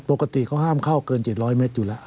ปกติเขาห้ามเข้าเกิน๗๐๐เมตรอยู่แล้ว